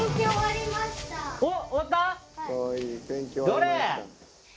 どれ？